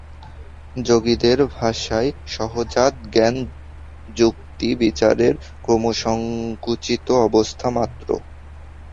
যোগীদের ভাষায় সহজাত জ্ঞান যুক্তি-বিচারের ক্রমসঙ্কুচিত অবস্থা মাত্র।